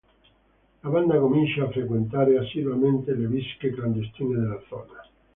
La banda comincia a frequentare assiduamente le bische clandestine della zona.